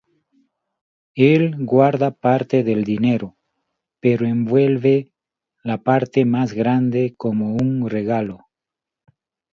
Él guarda parte del dinero, pero envuelve la parte más grande como un regalo.